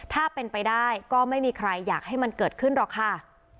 ถ้าเป็นไปได้ก็ไม่มีใครอยากให้มันเกิดขึ้นหรอกค่ะ